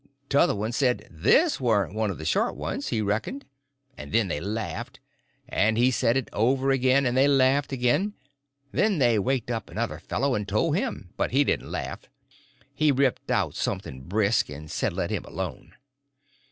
T'other one said this warn't one of the short ones, he reckoned—and then they laughed, and he said it over again, and they laughed again; then they waked up another fellow and told him, and laughed, but he didn't laugh; he ripped out something brisk, and said let him alone.